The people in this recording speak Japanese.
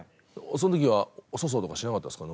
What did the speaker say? その時は粗相とかしなかったですか？